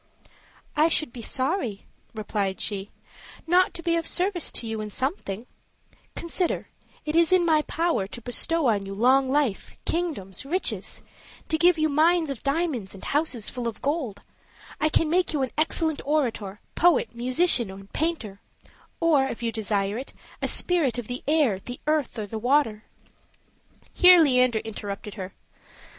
"I should be sorry," replied she, "not to be of service to you in something; consider, it is in my power to bestow on you long life, kingdoms, riches; to give you mines of diamonds and houses full of gold; I can make you an excellent orator, poet, musician, and painter; or, if you desire it, a spirit of the air, the water, or the earth." Here Leander interrupted her.